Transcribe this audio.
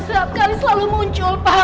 setiap kali selalu muncul